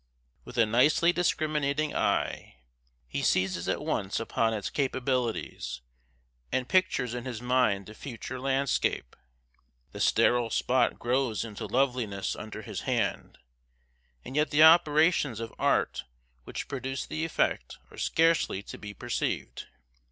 With a nicely discriminating eye, he seizes at once upon its capabilities, and pictures in his mind the future landscape. The sterile spot grows into loveliness under his hand; and yet the operations of art which produce the effect are scarcely to be perceived.